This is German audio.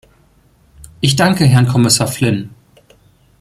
Ich danke Herrn Kommissar Flynn.